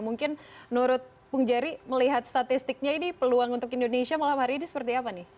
mungkin menurut bung jerry melihat statistiknya ini peluang untuk indonesia malam hari ini seperti apa nih